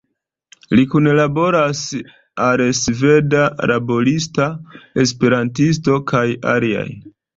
Li kunlaboras al Sveda Laborista Esperantisto kaj aliaj.